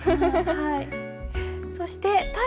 はい。